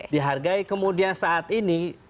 dihargai kemudian saat ini